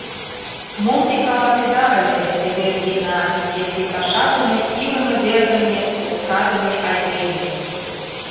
— Мом те каласеда ыле, Эвердина, если пашадыме, илыме вердыме, оксадыме айдеме...